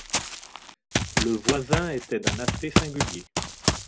Le voisin était d’un aspect singulier.